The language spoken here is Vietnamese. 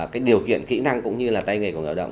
cái điều kiện kỹ năng cũng như là tay nghề của người lao động